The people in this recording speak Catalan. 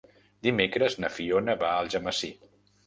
Dimecres na Fiona va a Algemesí.